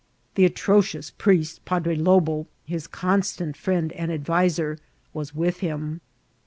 The atrocious priest Padre Lobo, his constant friend and adviser, was with him.